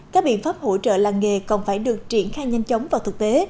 các biện pháp hỗ trợ làng nghề còn phải được triển khai nhanh chóng vào thực tế